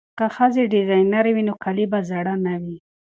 که ښځې ډیزاینرې وي نو کالي به زاړه نه وي.